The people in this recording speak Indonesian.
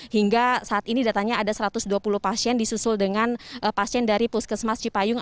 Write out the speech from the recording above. hingga saat ini datanya ada satu ratus dua puluh pasien disusul dengan pasien dari puskesmas cipayung